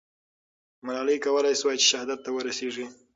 ملالۍ کولای سوای چې شهادت ته ورسېږي.